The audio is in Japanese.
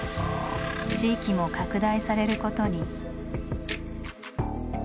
地域も拡大されることに。